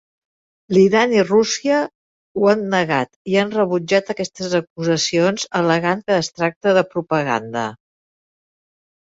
L'Iran i Rússia ho han negat i han rebutjat aquestes acusacions al·legant que es tracta de propaganda.